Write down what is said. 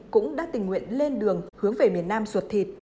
cũng đã tình nguyện lên đường hướng về miền nam ruột thịt